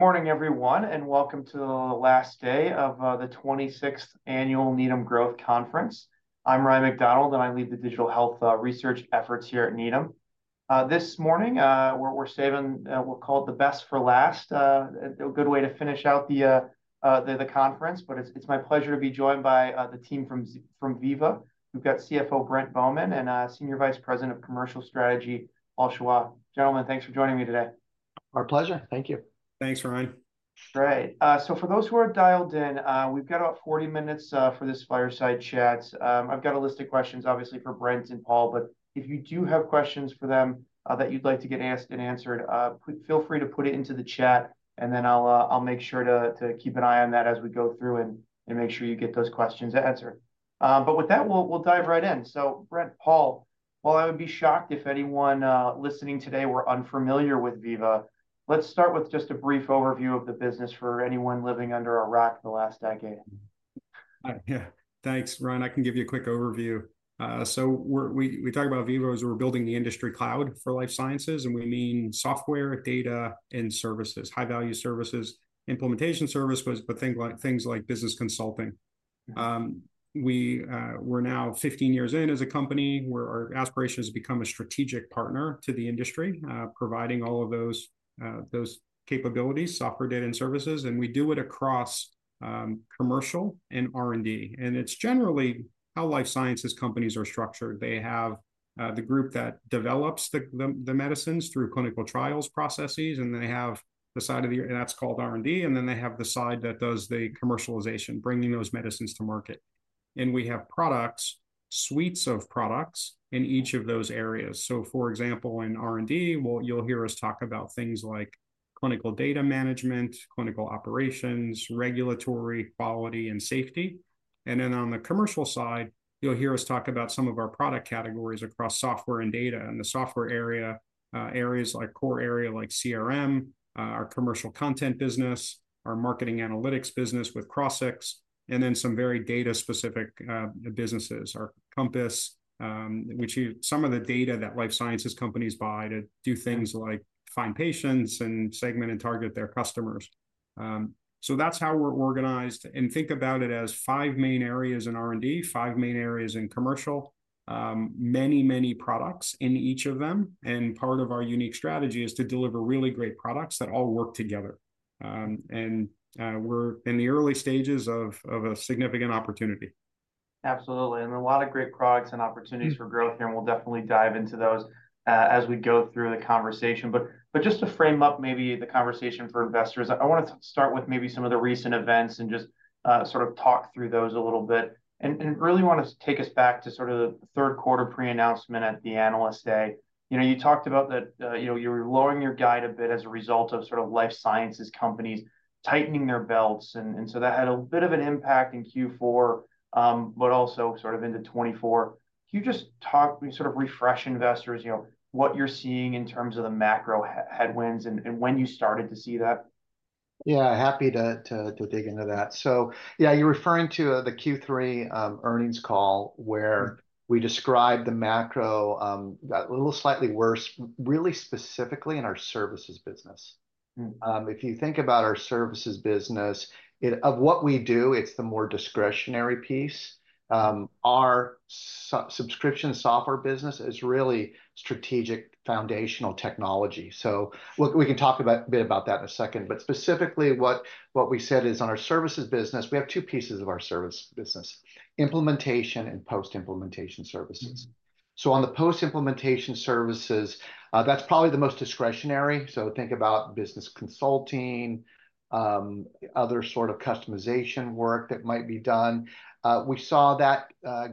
Morning, everyone, and welcome to the last day of the 26th Annual Needham Growth Conference. I'm Ryan MacDonald, and I lead the digital health research efforts here at Needham. This morning, we're saving, we'll call it the best for last. A good way to finish out the conference, but it's my pleasure to be joined by the team from Veeva. We've got CFO Brent Bowman and Senior Vice President of Commercial Strategy, Paul Shawah. Gentlemen, thanks for joining me today. Our pleasure. Thank you. Thanks, Ryan. Great. So for those who are dialed in, we've got about 40 minutes for this fireside chat. I've got a list of questions, obviously, for Brent and Paul, but if you do have questions for them, that you'd like to get asked and answered, feel free to put it into the chat, and then I'll make sure to keep an eye on that as we go through and make sure you get those questions answered. But with that, we'll dive right in. So Brent, Paul, while I would be shocked if anyone listening today were unfamiliar with Veeva, let's start with just a brief overview of the business for anyone living under a rock the last decade. Yeah. Thanks, Ryan. I can give you a quick overview. So we're—we talk about Veeva as we're building the industry cloud for life sciences, and we mean software, data, and services. High-value services, implementation service, but things like business consulting. We're now 15 years in as a company, where our aspiration is to become a strategic partner to the industry, providing all of those capabilities, software, data, and services, and we do it across commercial and R&D. And it's generally how life sciences companies are structured. They have the group that develops the medicines through clinical trials processes, and they have the side of the. And that's called R&D, and then they have the side that does the commercialization, bringing those medicines to market. We have products, suites of products, in each of those areas. So, for example, in R&D, what you'll hear us talk about things like clinical data management, clinical operations, regulatory, quality, and safety. And then on the commercial side, you'll hear us talk about some of our product categories across software and data. In the software area, areas like core area like CRM, our commercial content business, our marketing analytics business with Crossix, and then some very data-specific businesses. Our Compass, which is some of the data that life sciences companies buy to do things like find patients and segment and target their customers. So that's how we're organized, and think about it as five main areas in R&D, five main areas in commercial. Many, many products in each of them, and part of our unique strategy is to deliver really great products that all work together. We're in the early stages of a significant opportunity. Absolutely, and a lot of great products and opportunities- Mm-hmm... for growth here, and we'll definitely dive into those, as we go through the conversation. But just to frame up maybe the conversation for investors, I wanna start with maybe some of the recent events and just, sort of talk through those a little bit. And really want to take us back to sort of the third quarter pre-announcement at the Analyst Day. You know, you talked about that, you know, you were lowering your guide a bit as a result of sort of life sciences companies tightening their belts, and so that had a bit of an impact in Q4, but also sort of into 2024. Can you just talk, sort of refresh investors, you know, what you're seeing in terms of the macro headwinds and when you started to see that? Yeah, happy to dig into that. So yeah, you're referring to the Q3 earnings call, where- Mm... we described the macro, a little slightly worse, really specifically in our services business. Mm. If you think about our services business, it's of what we do, it's the more discretionary piece. Our subscription software business is really strategic foundational technology. So look, we can talk about a bit about that in a second, but specifically, what we said is on our services business, we have two pieces of our service business: implementation and post-implementation services. Mm. So on the post-implementation services, that's probably the most discretionary, so think about business consulting, other sort of customization work that might be done. We saw that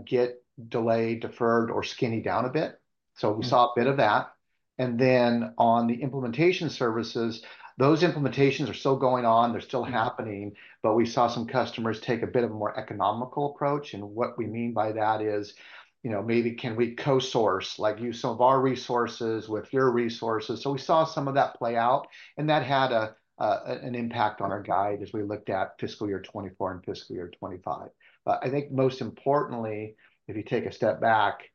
get delayed, deferred, or skinny down a bit. Mm. So we saw a bit of that, and then on the implementation services, those implementations are still going on, they're still happening- Mm... but we saw some customers take a bit of a more economical approach. And what we mean by that is, you know, maybe can we co-source, like use some of our resources with your resources? So we saw some of that play out, and that had an impact on our guide- Mm... as we looked at fiscal year 2024 and fiscal year 2025. But I think most importantly, if you take a step back,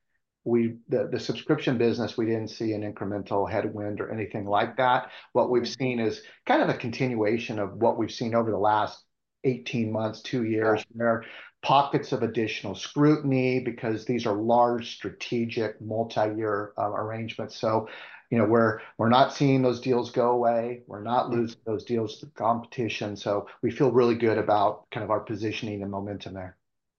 we, the, the subscription business, we didn't see an incremental headwind or anything like that. What we've seen is kind of a continuation of what we've seen over the last 18 months, 2 years- Yeah... there are pockets of additional scrutiny because these are large, strategic, multi-year, arrangements. You know, we're not seeing those deals go away. Mm. We're not losing those deals to competition, so we feel really good about kind of our positioning and momentum there.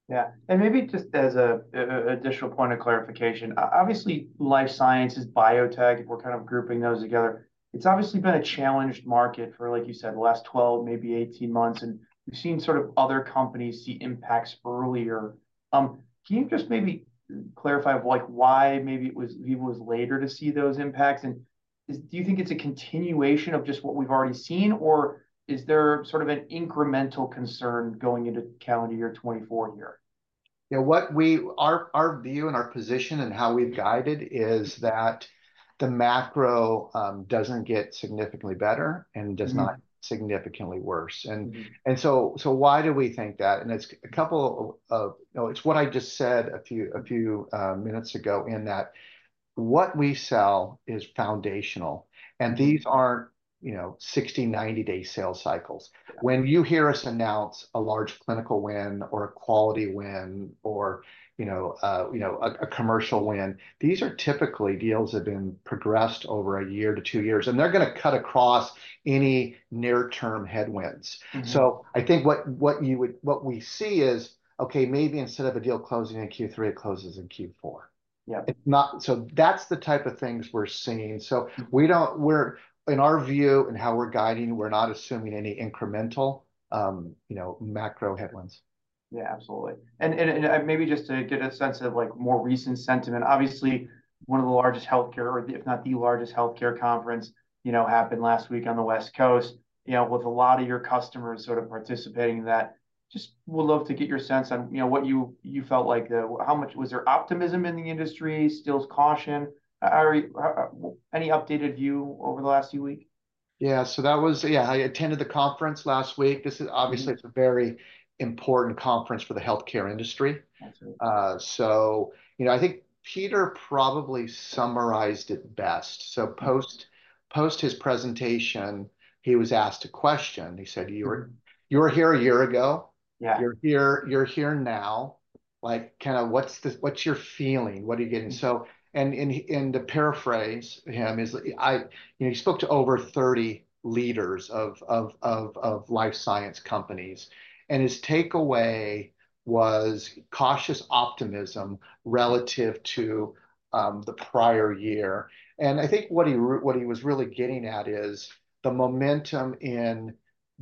Yeah, and maybe just as an additional point of clarification, obviously life sciences, biotech, if we're kind of grouping those together, it's obviously been a challenged market for, like you said, the last 12, maybe 18 months, and we've seen sort of other companies see impacts earlier. Can you just maybe clarify, like, why maybe it was, Veeva was later to see those impacts, and do you think it's a continuation of just what we've already seen, or is there sort of an incremental concern going into calendar year 2024 here? Yeah, what we... Our view and our position and how we've guided is that the macro doesn't get significantly better- Mm... and does not significantly worse. Mm. Why do we think that? It's a couple of-- You know, it's what I just said a few minutes ago in that-- what we sell is foundational, and these are, you know, 60-, 90-day sales cycles. When you hear us announce a large clinical win or a quality win or, you know, a commercial win, these are typically deals that have been progressed over a year to 2 years, and they're gonna cut across any near-term headwinds. Mm-hmm. So I think what we see is, okay, maybe instead of a deal closing in Q3, it closes in Q4. Yeah. It's not... So that's the type of things we're seeing. So we're, in our view and how we're guiding, we're not assuming any incremental, you know, macro headwinds. Yeah, absolutely. And maybe just to get a sense of, like, more recent sentiment, obviously, one of the largest healthcare, or if not the largest healthcare conference, you know, happened last week on the West Coast, you know, with a lot of your customers sort of participating in that. Just would love to get your sense on, you know, what you felt like the... How much was there optimism in the industry, still caution? Are any updated view over the last few week? Yeah, I attended the conference last week. This is- Mm... obviously, it's a very important conference for the healthcare industry. Absolutely. So, you know, I think Peter probably summarized it best. So post his presentation, he was asked a question. He said: "You were here a year ago- Yeah. You're here, you're here now. Like, kind of, what's the, what's your feeling? What are you getting? Mm. To paraphrase him, you know, he spoke to over 30 leaders of life science companies, and his takeaway was cautious optimism relative to the prior year. And I think what he was really getting at is the momentum in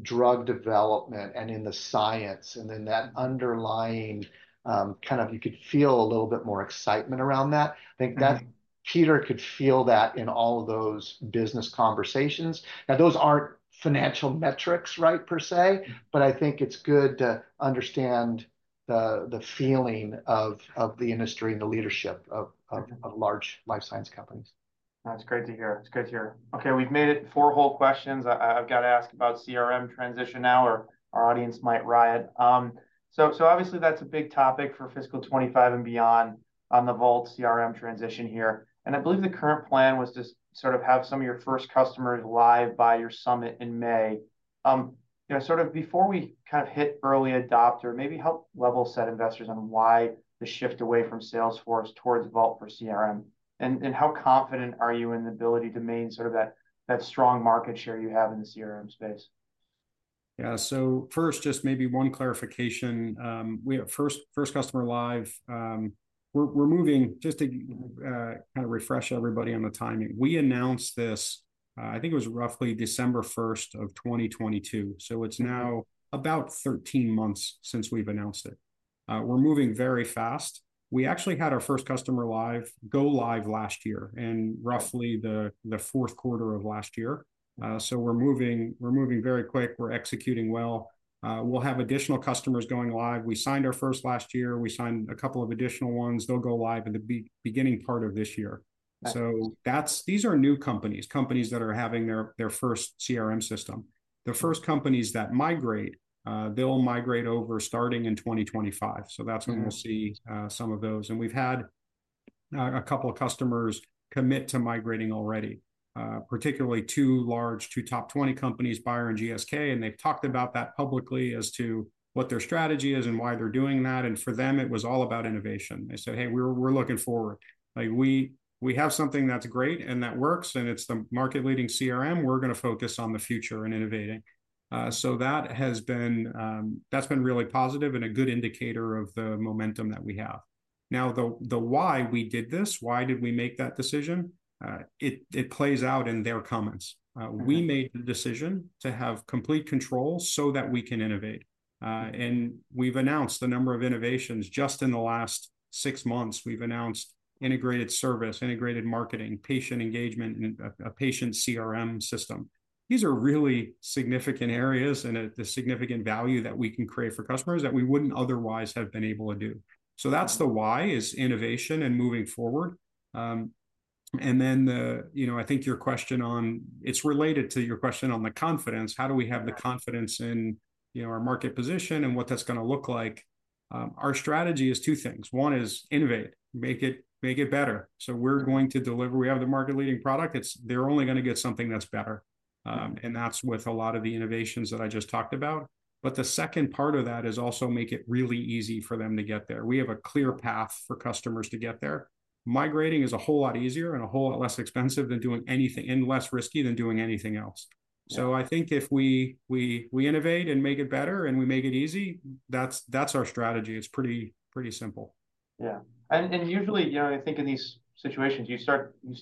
drug development and in the science, and then that underlying kind of you could feel a little bit more excitement around that. Mm. I think that Peter could feel that in all of those business conversations. Now, those aren't financial metrics, right, per se- Mm... but I think it's good to understand the feeling of the industry and the leadership of- Right... of large life sciences companies. That's great to hear. It's great to hear. Okay, we've made it four whole questions. I've got to ask about CRM transition now, or our audience might riot. So obviously, that's a big topic for fiscal 2025 and beyond on the Vault CRM transition here, and I believe the current plan was to sort of have some of your first customers live by your Summit in May. You know, sort of before we kind of hit early adopter, maybe help level set investors on why the shift away from Salesforce towards Vault for CRM, and how confident are you in the ability to maintain sort of that strong market share you have in the CRM space? Yeah. So first, just maybe one clarification. We have first customer live, we're moving. Just to kind of refresh everybody on the timing, we announced this, I think it was roughly December 1st of 2022, so it's now about 13 months since we've announced it. We're moving very fast. We actually had our first customer live, go live last year in roughly the fourth quarter of last year. So we're moving very quick. We're executing well. We'll have additional customers going live. We signed our first last year. We signed a couple of additional ones. They'll go live in the beginning part of this year. Right. So, these are new companies, companies that are having their first CRM system. The first companies that migrate, they'll migrate over starting in 2025. Mm. So that's when we'll see some of those. And we've had a couple of customers commit to migrating already, particularly two large, two top 20 companies, Bayer and GSK, and they've talked about that publicly as to what their strategy is and why they're doing that, and for them, it was all about innovation. They said, "Hey, we're, we're looking forward. Like, we, we have something that's great and that works, and it's the market-leading CRM. We're gonna focus on the future and innovating." So that has been, that's been really positive and a good indicator of the momentum that we have. Now, the why we did this, why did we make that decision, it plays out in their comments. Mm-hmm. We made the decision to have complete control so that we can innovate, and we've announced a number of innovations. Just in the last six months, we've announced integrated service, integrated marketing, patient engagement, and a patient CRM system. These are really significant areas and the significant value that we can create for customers that we wouldn't otherwise have been able to do. Mm. So that's the why, is innovation and moving forward. And then, you know, I think your question on... It's related to your question on the confidence. Yeah. How do we have the confidence in, you know, our market position and what that's gonna look like? Our strategy is two things. One is innovate, make it, make it better, so we're going to deliver. We have the market-leading product. It's they're only gonna get something that's better, and that's with a lot of the innovations that I just talked about. But the second part of that is also make it really easy for them to get there. We have a clear path for customers to get there. Migrating is a whole lot easier and a whole lot less expensive than doing anything, and less risky, than doing anything else. Yeah. So I think if we innovate and make it better and we make it easy, that's our strategy. It's pretty simple. Yeah, and usually, you know, I think in these situations, you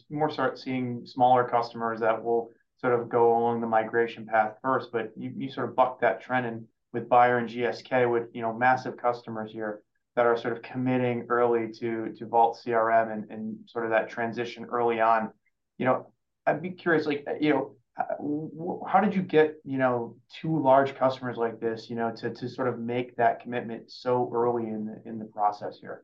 more start seeing smaller customers that will sort of go along the migration path first, but you, you sort of bucked that trend, and with Bayer and GSK, with, you know, massive customers here that are sort of committing early to, to Vault CRM and, and sort of that transition early on. You know, I'd be curious, like, you know, how did you get, you know, two large customers like this, you know, to, to sort of make that commitment so early in the, in the process here?...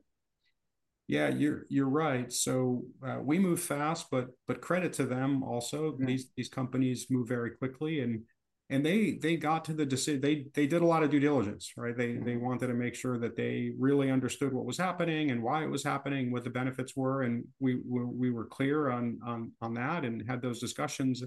Yeah, you're, you're right. So, we move fast, but, but credit to them also- Mm These companies move very quickly, and they got to the decision. They did a lot of due diligence, right? Mm. They wanted to make sure that they really understood what was happening, and why it was happening, and what the benefits were, and we were clear on that and had those discussions.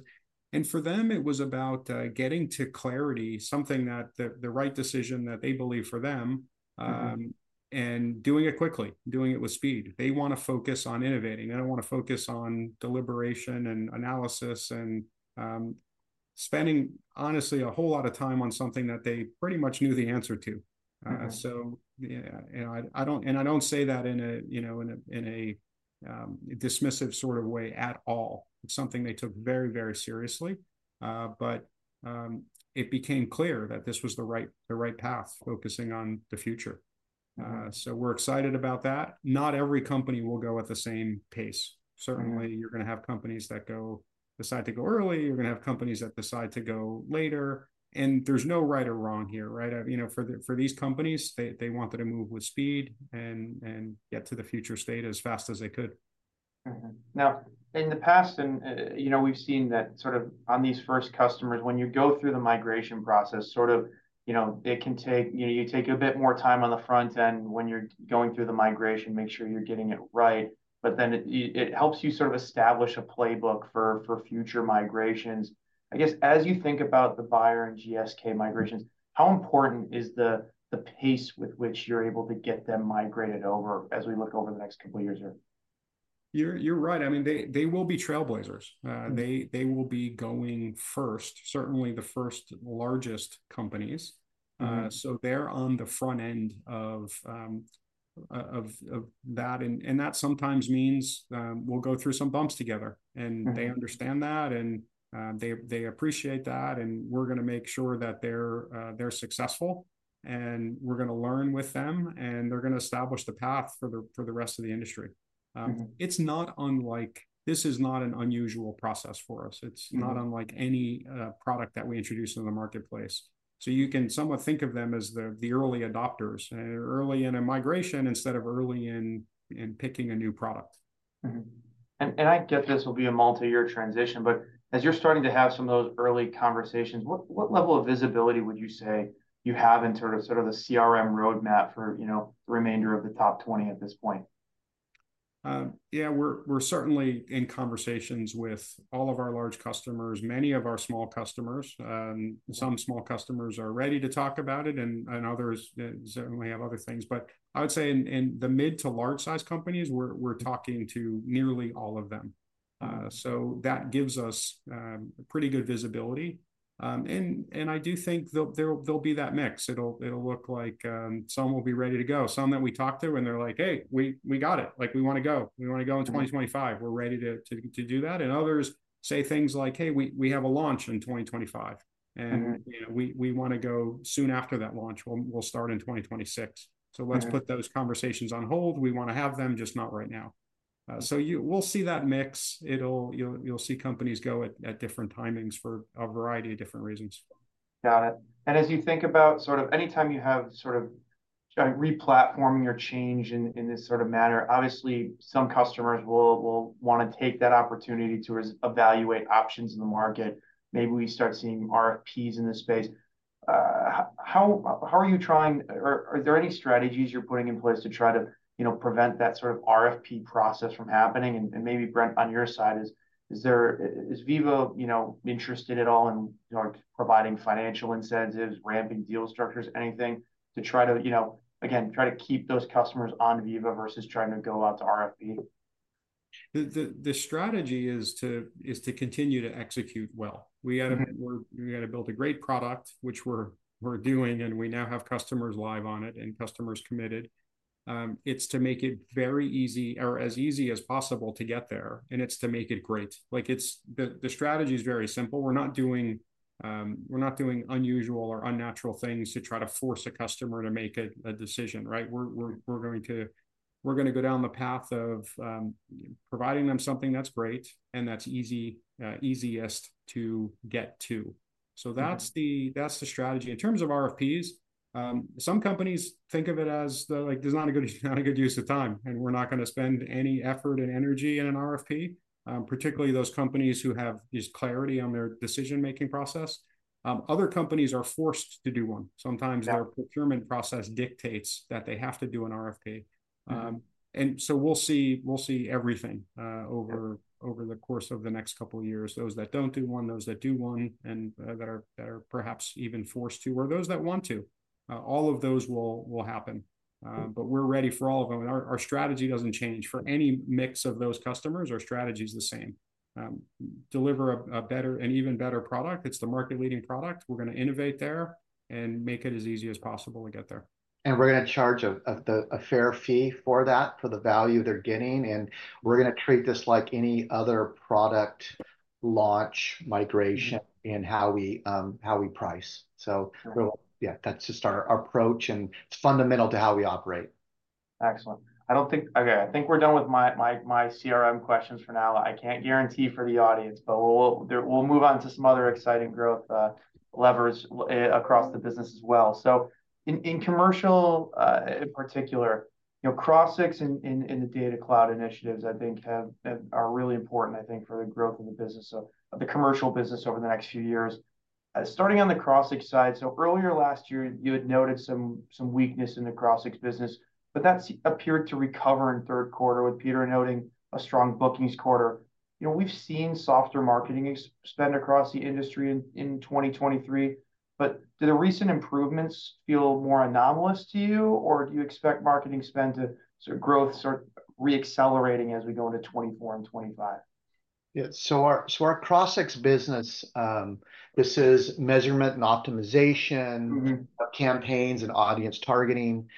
And for them, it was about getting to clarity, something that the right decision that they believe for them- Mm-hmm... and doing it quickly, doing it with speed. They wanna focus on innovating. They don't wanna focus on deliberation and analysis and, spending, honestly, a whole lot of time on something that they pretty much knew the answer to. Right. So, you know, I don't say that in a, you know, in a, in a dismissive sort of way at all. It's something they took very, very seriously. But it became clear that this was the right, the right path, focusing on the future. So we're excited about that. Not every company will go at the same pace. Mm. Certainly, you're gonna have companies that decide to go early, you're gonna have companies that decide to go later, and there's no right or wrong here, right? You know, for these companies, they wanted to move with speed and get to the future state as fast as they could. Mm-hmm. Now, in the past, and, you know, we've seen that sort of on these first customers, when you go through the migration process, sort of, you know, it can take... You take a bit more time on the front end when you're going through the migration, make sure you're getting it right, but then it helps you sort of establish a playbook for future migrations. I guess, as you think about the Bayer and GSK migrations, how important is the pace with which you're able to get them migrated over as we look over the next couple of years here? You're right. I mean, they will be trailblazers. They- Mm.... they will be going first, certainly the first largest companies. Mm-hmm. So they're on the front end of that, and that sometimes means we'll go through some bumps together. Mm. They understand that, and they appreciate that, and we're gonna make sure that they're successful, and we're gonna learn with them, and they're gonna establish the path for the rest of the industry. Mm-hmm. It's not unlike... This is not an unusual process for us. Mm. It's not unlike any product that we introduce in the marketplace. So you can somewhat think of them as the early adopters early in a migration instead of early in picking a new product. Mm-hmm. And I get this will be a multi-year transition, but as you're starting to have some of those early conversations, what level of visibility would you say you have in terms of sort of the CRM roadmap for, you know, the remainder of the top twenty at this point? Yeah, we're certainly in conversations with all of our large customers, many of our small customers. Some small customers are ready to talk about it, and others certainly have other things. But I would say in the mid- to large-sized companies, we're talking to nearly all of them. So that gives us pretty good visibility. And I do think there'll be that mix. It'll look like some will be ready to go, some that we talk to, and they're like, "Hey, we got it, like, we wanna go. We wanna go in 2025. We're ready to do that. Mm. Others say things like, "Hey, we, we have a launch in 2025- Mm... and, you know, we wanna go soon after that launch. We'll start in 2026. Mm. So let's put those conversations on hold. We wanna have them, just not right now." So we'll see that mix. It'll. You'll see companies go at different timings for a variety of different reasons. Got it. And as you think about sort of anytime you have sort of re-platforming or change in this sort of manner, obviously some customers will wanna take that opportunity to re-evaluate options in the market. Maybe we start seeing RFPs in this space. How are you trying... Or are there any strategies you're putting in place to try to, you know, prevent that sort of RFP process from happening? And maybe, Brent, on your side, is there- is Veeva, you know, interested at all in, you know, providing financial incentives, ramping deal structures, anything to try to, you know, again, try to keep those customers on Veeva versus trying to go out to RFP? The strategy is to continue to execute well. Mm-hmm. We gotta build a great product, which we're doing, and we now have customers live on it and customers committed. It's to make it very easy or as easy as possible to get there, and it's to make it great. Like, it's the strategy is very simple. We're not doing unusual or unnatural things to try to force a customer to make a decision, right? We're going to, we're gonna go down the path of providing them something that's great and that's easy, easiest to get to. Mm. So that's the strategy. In terms of RFPs, some companies think of it as the, like, there's not a good use of time, and we're not gonna spend any effort and energy in an RFP, particularly those companies who have this clarity on their decision-making process. Other companies are forced to do one. Yeah. Sometimes their procurement process dictates that they have to do an RFP. Mm. And so we'll see, we'll see everything. Yeah... over the course of the next couple of years. Those that don't do one, those that do one, and that are perhaps even forced to, or those that want to. All of those will happen, but we're ready for all of them. And our strategy doesn't change. For any mix of those customers, our strategy is the same: deliver a better, an even better product. It's the market-leading product. We're gonna innovate there and make it as easy as possible to get there. We're gonna charge a fair fee for that, for the value they're getting, and we're gonna treat this like any other product launch migration- Mm... and how we, how we price. Sure. So yeah, that's just our approach, and it's fundamental to how we operate.... Excellent. I don't think. Okay, I think we're done with my CRM questions for now. I can't guarantee for the audience, but we'll move on to some other exciting growth levers across the business as well. So in commercial, in particular, you know, Crossix in the Data Cloud initiatives, I think have are really important, I think, for the growth of the business, of the commercial business over the next few years. Starting on the Crossix side, so earlier last year, you had noted some weakness in the Crossix business, but that's appeared to recover in third quarter, with Peter noting a strong bookings quarter. You know, we've seen softer marketing spend across the industry in 2023, but do the recent improvements feel more anomalous to you, or do you expect marketing spend to, sort of, growth start re-accelerating as we go into 2024 and 2025? Yeah. So our Crossix business, this is measurement and optimization- Mm-hmm... campaigns and audience targeting.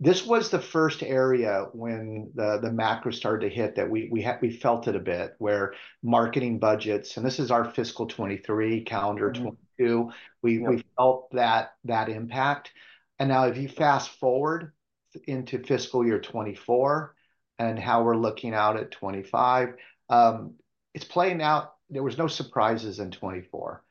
This was the first area when the macro started to hit that we felt it a bit, where marketing budgets, and this is our fiscal 2023, calendar 2022- Yeah. We felt that impact. And now if you fast-forward into fiscal year 2024 and how we're looking out at 25, it's playing out. There was no surprises in 2024.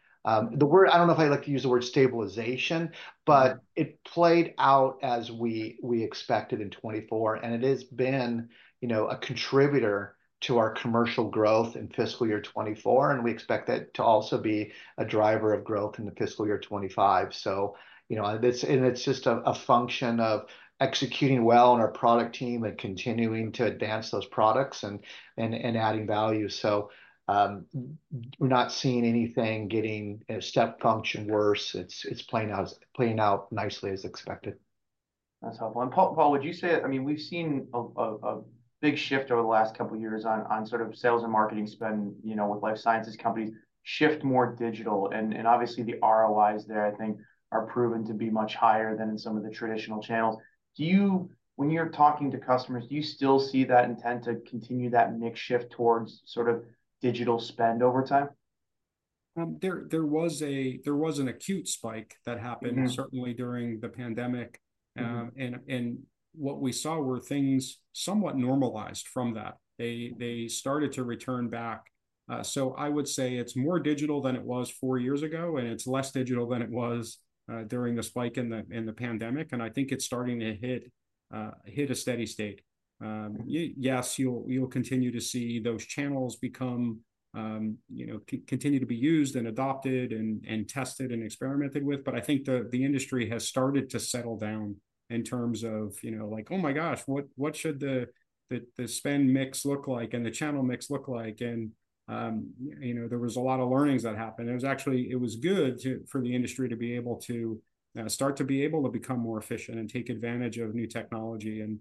The word, I don't know if I like to use the word stabilization, but it played out as we expected in 2024, and it has been, you know, a contributor to our commercial growth in fiscal year 2024, and we expect it to also be a driver of growth in the fiscal year 2025. So, you know, it's just a function of executing well on our product team and continuing to advance those products and adding value. So, we're not seeing anything getting a step function worse. It's playing out nicely, as expected. That's helpful. And Paul, would you say... I mean, we've seen a big shift over the last couple of years on sort of sales and marketing spend, you know, with life sciences companies shift more digital, and obviously, the ROIs there, I think, are proven to be much higher than in some of the traditional channels. Do you, when you're talking to customers, do you still see that intent to continue that mix shift towards sort of digital spend over time? There was an acute spike that happened- Mm-hmm... certainly during the pandemic. Mm-hmm. And what we saw were things somewhat normalized from that. They started to return back. So I would say it's more digital than it was four years ago, and it's less digital than it was during the spike in the pandemic, and I think it's starting to hit a steady state. Yes, you'll continue to see those channels become, you know, continue to be used, and adopted, and tested, and experimented with, but I think the industry has started to settle down in terms of, you know, like, "Oh, my gosh, what should the spend mix look like, and the channel mix look like?" And, you know, there was a lot of learnings that happened, and it was actually good for the industry to be able to start to become more efficient and take advantage of new technology, and,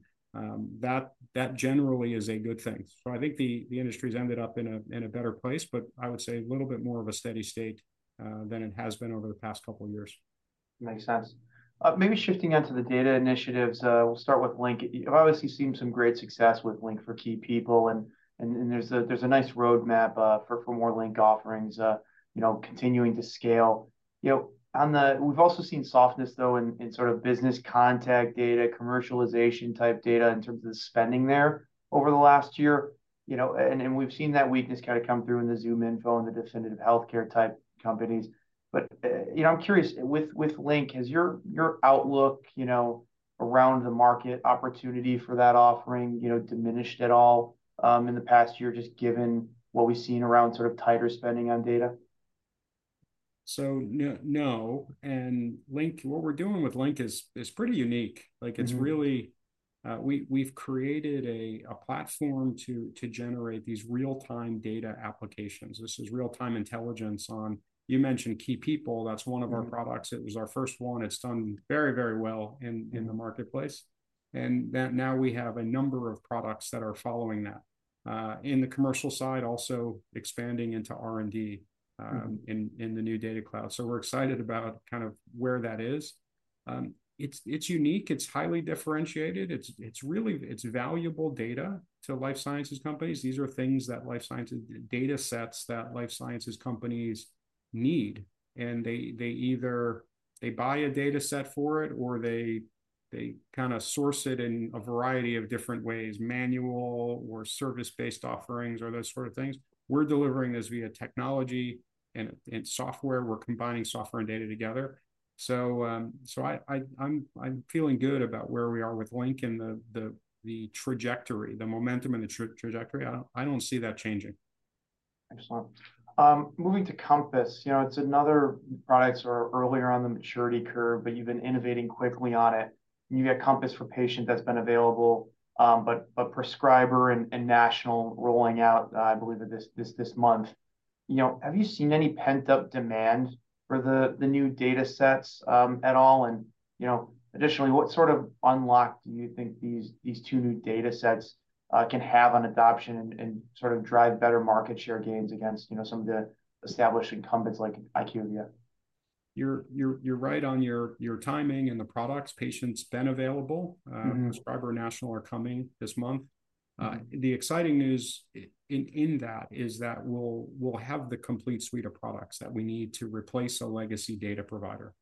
that generally is a good thing. So I think the industry's ended up in a better place, but I would say a little bit more of a steady state than it has been over the past couple of years. Makes sense. Maybe shifting onto the data initiatives, we'll start with Link. You've obviously seen some great success with Link for Key People, and there's a nice roadmap for more Link offerings, you know, continuing to scale. You know, we've also seen softness, though, in sort of business contact data, commercialization-type data in terms of the spending there over the last year, you know, and we've seen that weakness kind of come through in the ZoomInfo and the Definitive Healthcare-type companies. But, you know, I'm curious, with Link, has your outlook around the market opportunity for that offering diminished at all in the past year, just given what we've seen around sort of tighter spending on data? No, no. Link, what we're doing with Link is pretty unique. Mm-hmm. Like, it's really, we've created a platform to generate these real-time data applications. This is real-time intelligence on, you mentioned Key People, that's one of our products. Mm-hmm. It was our first one. It's done very, very well in the marketplace, and then now we have a number of products that are following that. In the commercial side, also expanding into R&D. Mm-hmm... in the new Data Cloud. So we're excited about kind of where that is. It's unique, it's highly differentiated, it's really valuable data to life sciences companies. These are things that life sciences datasets that life sciences companies need, and they either buy a dataset for it, or they kind of source it in a variety of different ways, manual or service-based offerings, or those sort of things. We're delivering this via technology and software. We're combining software and data together. So, I'm feeling good about where we are with Link and the trajectory, the momentum and the trajectory. I don't see that changing. Excellent. Moving to Compass, you know, it's another product that's earlier on the maturity curve, but you've been innovating quickly on it. You've got Compass for Patient that's been available, but Prescriber and National rolling out, I believe that this month. You know, have you seen any pent-up demand for the new datasets at all? And, you know, additionally, what sort of unlock do you think these two new datasets can have on adoption and sort of drive better market share gains against, you know, some of the established incumbents like IQVIA? You're right on your timing and the products. Patient's been available- Mm-hmm... Prescriber and National are coming this month. The exciting news in that is that we'll have the complete suite of products that we need to replace a legacy data provider.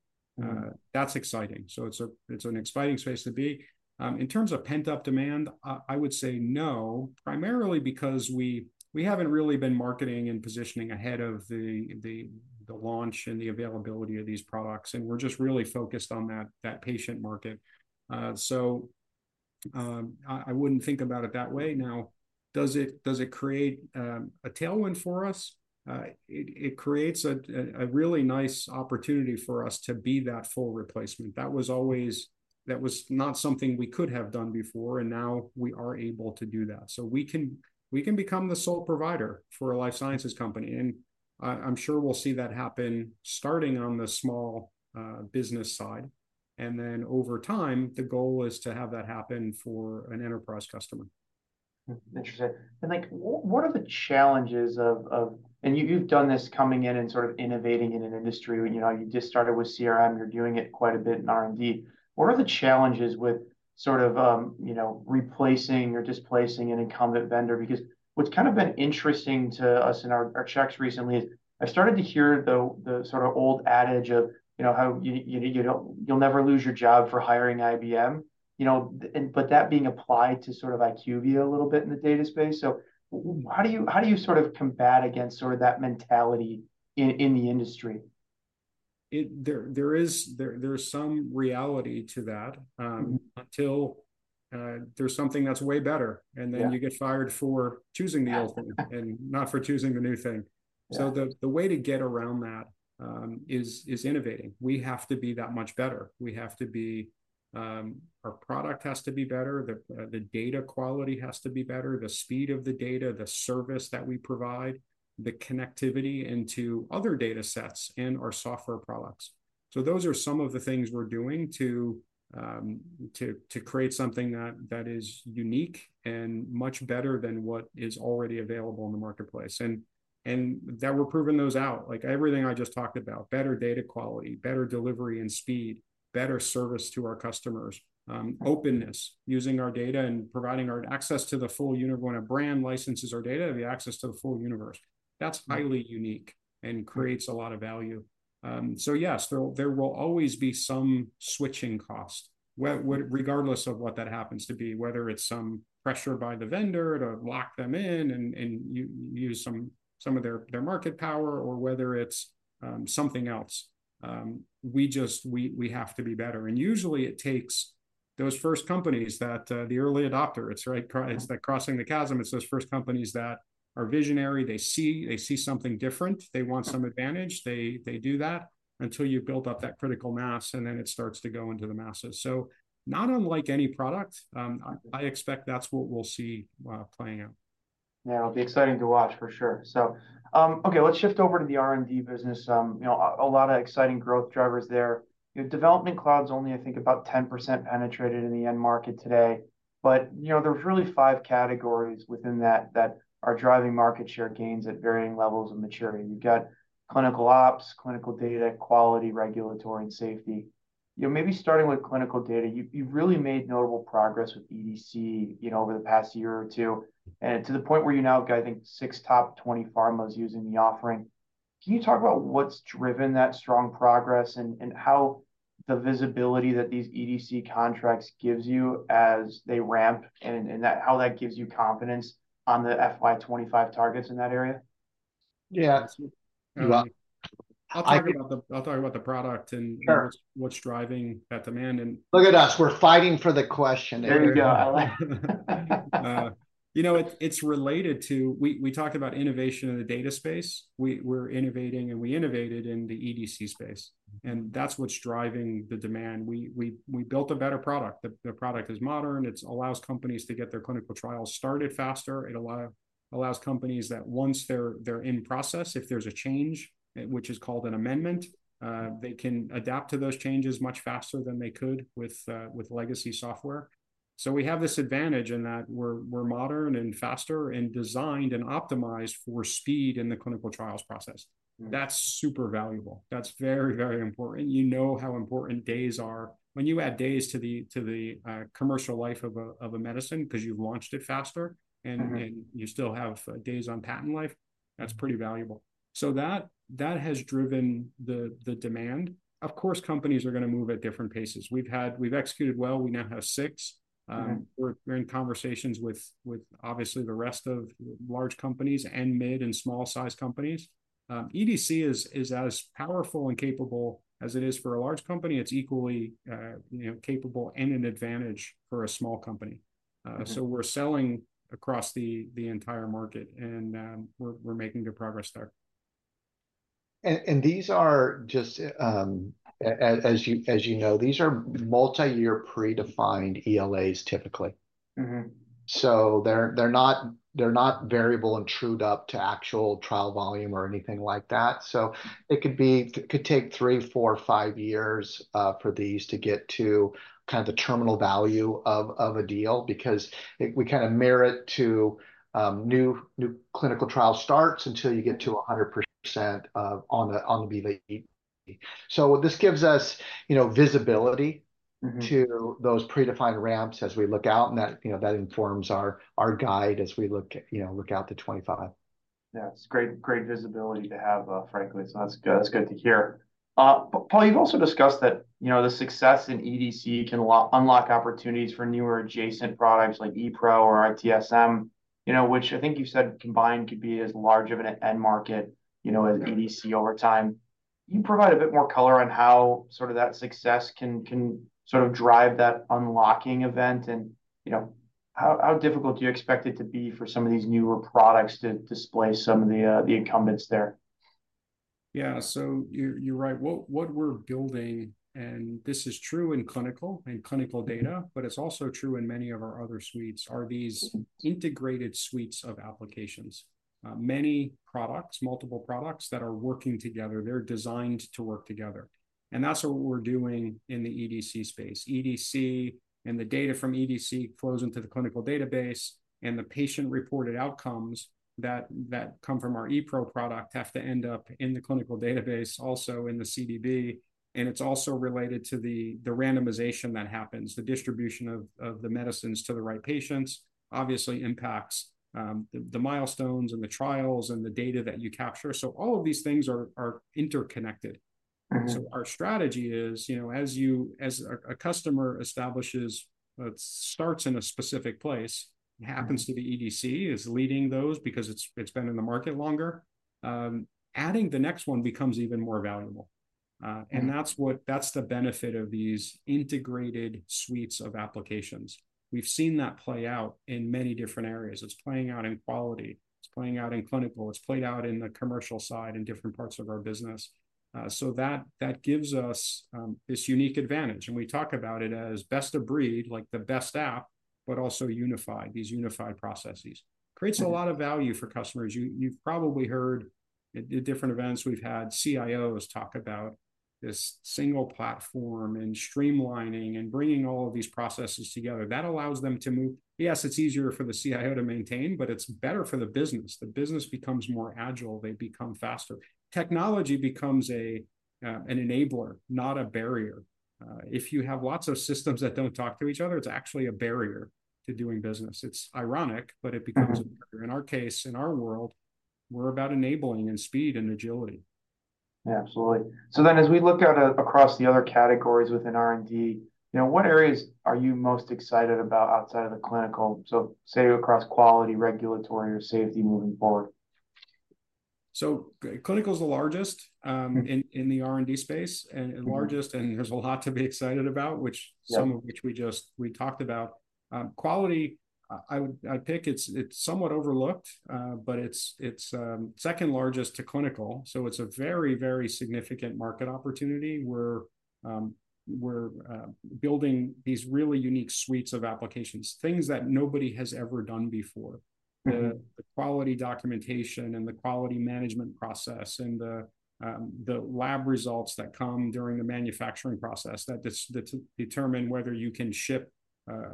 That's exciting. So it's an exciting space to be. In terms of pent-up demand, I would say no, primarily because we haven't really been marketing and positioning ahead of the launch and the availability of these products, and we're just really focused on that patient market. So, I wouldn't think about it that way. Now, does it create a tailwind for us? It creates a really nice opportunity for us to be that full replacement. That was always - that was not something we could have done before, and now we are able to do that. So we can, we can become the sole provider for a life sciences company, and I, I'm sure we'll see that happen, starting on the small business side. And then over time, the goal is to have that happen for an enterprise customer. Interesting. Like, what are the challenges of... And you've done this coming in and sort of innovating in an industry where, you know, you just started with CRM, you're doing it quite a bit in R&D. What are the challenges with sort of, you know, replacing or displacing an incumbent vendor? Because what's kind of been interesting to us in our checks recently is I started to hear the sort of old adage of, you know, how you know, "You'll never lose your job for hiring IBM," you know, and but that being applied to sort of IQVIA a little bit in the data space. So how do you sort of combat against sort of that mentality in the industry? There is some reality to that. Mm-hmm... until there's something that's way better- Yeah... and then you get fired for choosing the old thing - and not for choosing the new thing. Yeah. So the way to get around that is innovating. We have to be that much better. We have to be our product has to be better, the data quality has to be better, the speed of the data, the service that we provide, the connectivity into other data sets and our software products. So those are some of the things we're doing to create something that is unique and much better than what is already available in the marketplace, and that we're proving those out. Like everything I just talked about, better data quality, better delivery and speed, better service to our customers, openness, using our data and providing our access to the full uni- when a brand licenses our data, the access to the full universe. Right. That's highly unique and creates a lot of value. So yes, there will always be some switching cost, regardless of what that happens to be, whether it's some pressure by the vendor to lock them in and use some of their market power, or whether it's something else. We have to be better, and usually it takes those first companies that the early adopter. It's like crossing the chasm. It's those first companies that are visionary. They see, they see something different. They want some advantage. They do that until you've built up that critical mass, and then it starts to go into the masses. So not unlike any product, I expect that's what we'll see playing out. Yeah, it'll be exciting to watch for sure. So, okay, let's shift over to the R&D business. You know, a lot of exciting growth drivers there. Your Development Cloud's only, I think, about 10% penetrated in the end market today, but, you know, there's really five categories within that, that are driving market share gains at varying levels of maturity. You've got clinical ops, clinical data, quality, regulatory, and safety. You know, maybe starting with clinical data, you, you've really made notable progress with EDC, you know, over the past year or two, and to the point where you now have, I think, six top 20 pharmas using the offering. Can you talk about what's driven that strong progress, and how the visibility that these EDC contracts gives you as they ramp, and how that gives you confidence on the FY 2025 targets in that area? Yeah. Well, I- I'll talk about the product and- Sure... what's driving that demand, and- Look at us, we're fighting for the question. There you go. You know, it's related to... We talked about innovation in the data space. We're innovating, and we innovated in the EDC space, and that's what's driving the demand. We built a better product. The product is modern. It's allows companies to get their clinical trials started faster. It allows companies that once they're in process, if there's a change, which is called an amendment, they can adapt to those changes much faster than they could with legacy software. So we have this advantage in that we're modern and faster and designed and optimized for speed in the clinical trials process. Mm. That's super valuable. That's very, very important. You know how important days are. When you add days to the commercial life of a medicine because you've launched it faster- Mm-hmm... and you still have days on patent life, that's pretty valuable. So that has driven the demand. Of course, companies are gonna move at different paces. We've executed well. We now have six. Mm-hmm. We're in conversations with obviously the rest of large companies and mid and small-sized companies. EDC is as powerful and capable as it is for a large company. It's equally, you know, capable and an advantage for a small company. Mm-hmm. So we're selling across the entire market, and we're making good progress there. These are just, as you know, these are multiyear predefined ELAs, typically. Mm-hmm. So they're not variable and trued up to actual trial volume or anything like that. So it could be, it could take 3, 4, 5 years for these to get to kind of the terminal value of a deal, because we kind of tie it to new clinical trial starts until you get to 100% on the ELA. So this gives us, you know, visibility- Mm-hmm... to those predefined ramps as we look out, and that, you know, that informs our guide as we look, you know, out to 2025.... Yeah, it's great, great visibility to have, frankly, so that's good, that's good to hear. But Paul, you've also discussed that, you know, the success in EDC can unlock opportunities for newer adjacent products like ePRO or RTSM, you know, which I think you said combined could be as large of an end market, you know, as EDC over time. Can you provide a bit more color on how sort of that success can sort of drive that unlocking event? And, you know, how difficult do you expect it to be for some of these newer products to displace some of the, the incumbents there? Yeah. So you're right. What we're building, and this is true in clinical and clinical data, but it's also true in many of our other suites, are these integrated suites of applications. Many products, multiple products that are working together, they're designed to work together, and that's what we're doing in the EDC space. EDC and the data from EDC flows into the clinical database, and the patient-reported outcomes that come from our ePRO product have to end up in the clinical database, also in the CDB, and it's also related to the randomization that happens. The distribution of the medicines to the right patients obviously impacts the milestones and the trials and the data that you capture. So all of these things are interconnected. Mm-hmm. So our strategy is, you know, as a customer establishes, starts in a specific place- Mm-hmm... happens to the EDC is leading those because it's been in the market longer. Adding the next one becomes even more valuable. Mm-hmm... and that's the benefit of these integrated suites of applications. We've seen that play out in many different areas. It's playing out in quality, it's playing out in clinical, it's played out in the commercial side in different parts of our business. So that gives us this unique advantage, and we talk about it as best of breed, like the best app, but also unified, these unified processes. Mm-hmm. Creates a lot of value for customers. You've probably heard at different events, we've had CIOs talk about this single platform and streamlining and bringing all of these processes together. That allows them to move... Yes, it's easier for the CIO to maintain, but it's better for the business. The business becomes more agile. They become faster. Technology becomes an enabler, not a barrier. If you have lots of systems that don't talk to each other, it's actually a barrier to doing business. It's ironic, but it becomes- Mm-hmm... a barrier. In our case, in our world, we're about enabling and speed and agility. Yeah, absolutely. So then, as we look out, across the other categories within R&D, you know, what areas are you most excited about outside of the clinical, so say, across quality, regulatory, or safety moving forward? Clinical's the largest in the R&D space, and- Mm-hmm... largest, and there's a lot to be excited about, which- Yeah... some of which we just, we talked about. Quality, I would, I'd pick. It's somewhat overlooked, but it's second largest to clinical, so it's a very, very significant market opportunity where we're building these really unique suites of applications, things that nobody has ever done before. Mm-hmm. The quality documentation and the quality management process and the lab results that come during the manufacturing process that determine whether you can ship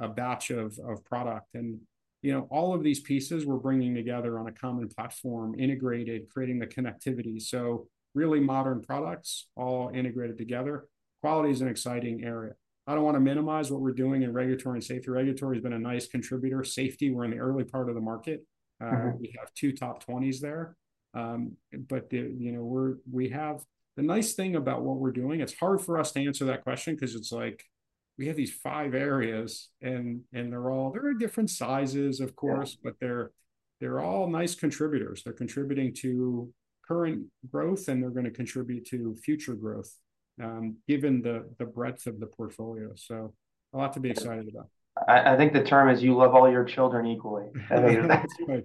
a batch of product. And, you know, all of these pieces we're bringing together on a common platform, integrated, creating the connectivity. So really modern products all integrated together. Quality is an exciting area. I don't want to minimize what we're doing in regulatory and safety. Regulatory has been a nice contributor. Safety, we're in the early part of the market. Mm-hmm. We have two top twenties there. But you know... The nice thing about what we're doing, it's hard for us to answer that question 'cause it's like we have these five areas, and they're all different sizes, of course. Yeah... but they're all nice contributors. They're contributing to current growth, and they're gonna contribute to future growth, given the breadth of the portfolio, so a lot to be excited about. I think the term is you love all your children equally. That's right.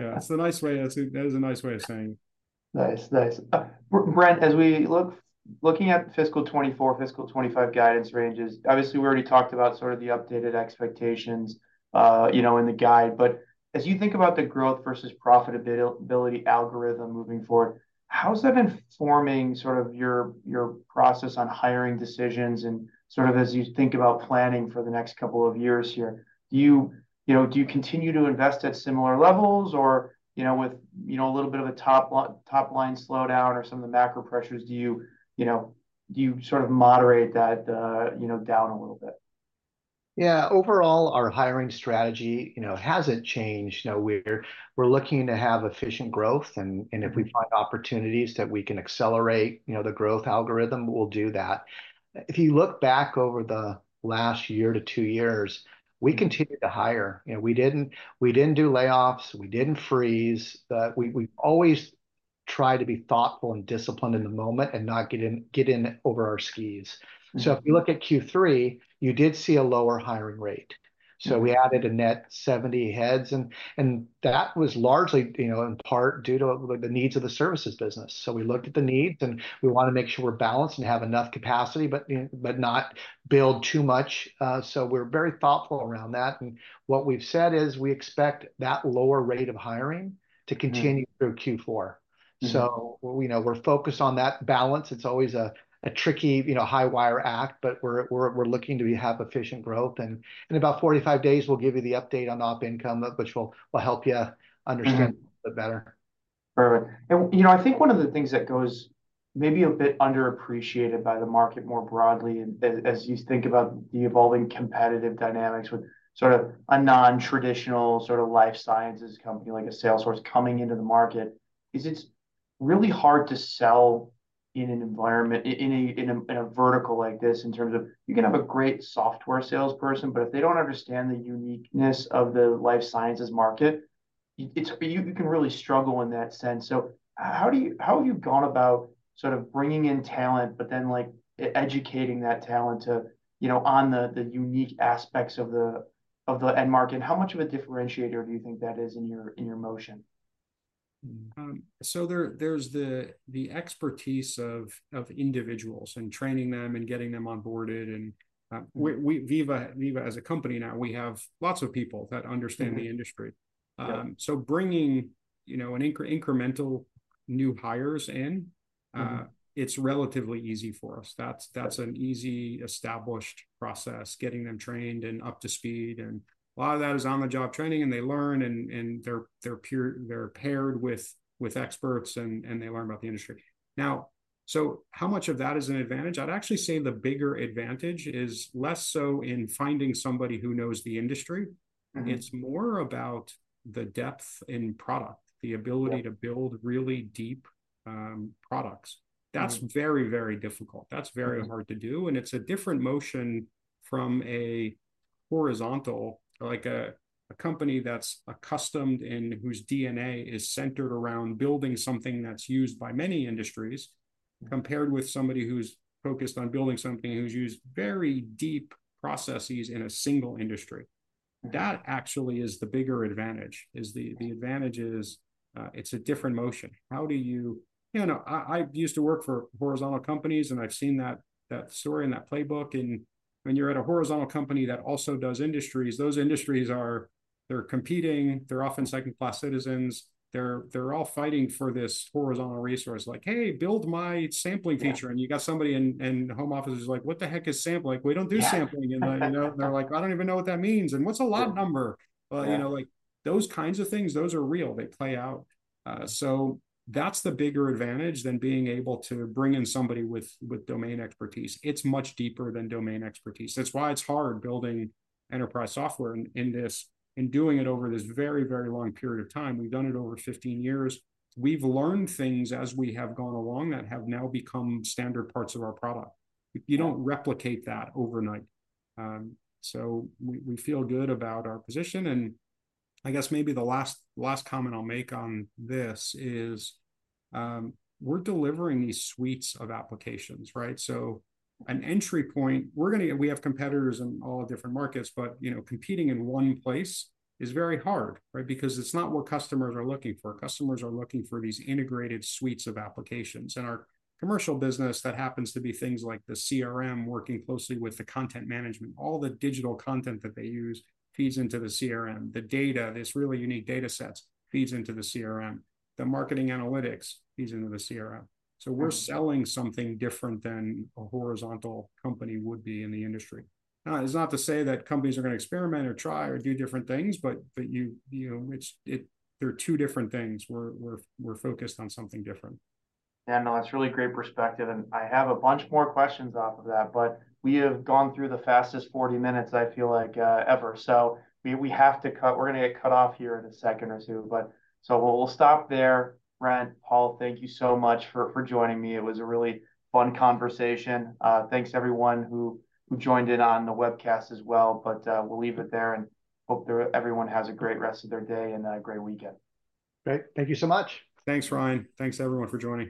Yeah, that's a nice way, that is a nice way of saying it. Nice. Nice. Brent, as we look at fiscal 2024, fiscal 2025 guidance ranges, obviously, we already talked about sort of the updated expectations, you know, in the guide. But as you think about the growth versus profitability algorithm moving forward, how has that been forming sort of your process on hiring decisions? And sort of as you think about planning for the next couple of years here, do you continue to invest at similar levels or, you know, with a little bit of a top-line slowdown or some of the macro pressures, do you sort of moderate that down a little bit? Yeah. Overall, our hiring strategy, you know, hasn't changed. You know, we're looking to have efficient growth, and- Mm-hmm... and if we find opportunities that we can accelerate, you know, the growth algorithm, we'll do that. If you look back over the last year to two years, we continued to hire. You know, we didn't do layoffs. We didn't freeze. But we always try to be thoughtful and disciplined in the moment and not get in over our skis. Mm-hmm. If you look at Q3, you did see a lower hiring rate. Mm-hmm. So we added a net 70 heads, and that was largely, you know, in part due to the needs of the services business. So we looked at the needs, and we wanna make sure we're balanced and have enough capacity, but, you know, not build too much. So we're very thoughtful around that. And what we've said is, we expect that lower rate of hiring to continue- Mm-hmm... through Q4. Mm-hmm. So, you know, we're focused on that balance. It's always a tricky, you know, high-wire act, but we're looking to have efficient growth. And in about 45 days, we'll give you the update on op income, which will help you understand- Mm-hmm... a bit better. Perfect. And, you know, I think one of the things that maybe a bit underappreciated by the market more broadly. As you think about the evolving competitive dynamics with sort of a non-traditional sort of life sciences company, like a Salesforce coming into the market, it's really hard to sell in an environment, in a vertical like this, in terms of you can have a great software salesperson, but if they don't understand the uniqueness of the life sciences market, you can really struggle in that sense. So how have you gone about sort of bringing in talent, but then, like, educating that talent to, you know, on the unique aspects of the end market? How much of a differentiator do you think that is in your motion? So, there's the expertise of individuals, and training them, and getting them onboarded. And we, Veeva as a company now, we have lots of people that understand the industry. Mm-hmm. Yeah. So bringing, you know, an incremental new hires in- Mm-hmm It's relatively easy for us. That's an easy, established process, getting them trained and up to speed, and a lot of that is on-the-job training, and they learn, and they're paired with experts, and they learn about the industry. Now, so how much of that is an advantage? I'd actually say the bigger advantage is less so in finding somebody who knows the industry. Mm-hmm. It's more about the depth in product, the ability- Yeah... to build really deep, products. Mm-hmm. That's very, very difficult. Mm-hmm... hard to do, and it's a different motion from a horizontal, like a company that's accustomed and whose DNA is centered around building something that's used by many industries, compared with somebody who's focused on building something, who's used very deep processes in a single industry. Yeah. That actually is the bigger advantage. The advantage is, it's a different motion. How do you... You know, I used to work for horizontal companies, and I've seen that story and that playbook. And when you're at a horizontal company that also does industries, those industries are—they're competing, they're often second-class citizens, they're all fighting for this horizontal resource. Like, "Hey, build my sampling feature. Yeah. You got somebody in home office who's like: What the heck is sampling? Like, we don't do sampling. Yeah. You know, they're like: I don't even know what that means, and what's a lot number? Yeah. You know, like, those kinds of things, those are real; they play out. So that's the bigger advantage than being able to bring in somebody with domain expertise. It's much deeper than domain expertise. That's why it's hard building enterprise software in this, and doing it over this very, very long period of time. We've done it over 15 years. We've learned things as we have gone along that have now become standard parts of our product. You don't replicate that overnight. So we feel good about our position, and I guess maybe the last, last comment I'll make on this is, we're delivering these suites of applications, right? So an entry point, we're gonna we have competitors in all different markets, but, you know, competing in one place is very hard, right? Because it's not what customers are looking for. Customers are looking for these integrated suites of applications. In our commercial business, that happens to be things like the CRM working closely with the content management. All the digital content that they use feeds into the CRM. The data, this really unique data sets, feeds into the CRM, the marketing analytics feeds into the CRM. Mm-hmm. So we're selling something different than a horizontal company would be in the industry. It's not to say that companies are gonna experiment, or try, or do different things, but it's, they're two different things. We're focused on something different. Yeah, no, that's really great perspective, and I have a bunch more questions off of that, but we have gone through the fastest 40 minutes, I feel like, ever. So we have to cut... We're gonna get cut off here in a second or two, but, so we'll stop there. Brent, Paul, thank you so much for joining me. It was a really fun conversation. Thanks to everyone who joined in on the webcast as well, but we'll leave it there, and hope that everyone has a great rest of their day and a great weekend. Great. Thank you so much. Thanks, Ryan. Thanks everyone for joining.